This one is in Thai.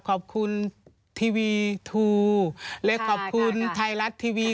ขอบคุณทีวีทูเลยขอบคุณไทยรัฐทีวี